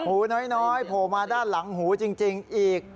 หูน้อยโผล่มาด้านหลังหูจริงอีก